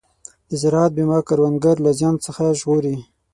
د زراعت بیمه کروندګر له زیان څخه ژغوري.